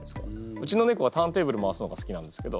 うちの猫はターンテーブル回すのが好きなんですけど。